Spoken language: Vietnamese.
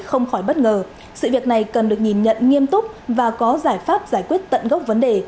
không khỏi bất ngờ sự việc này cần được nhìn nhận nghiêm túc và có giải pháp giải quyết tận gốc vấn đề